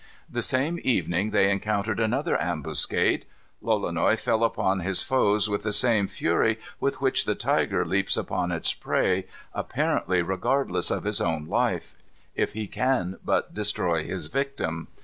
The same evening they encountered another ambuscade. Lolonois fell upon his foes with the same fury with which the tiger leaps upon its prey, apparently regardless of his own life, if he can but destroy his victim.